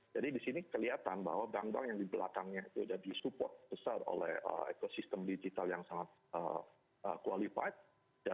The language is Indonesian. jadi di sini kelihatan bahwa bank bank yang di belakangnya itu sudah di support besar oleh ekosistem digital yang sangat qualified